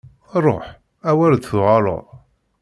Ruḥ, awer d-tuɣaleḍ!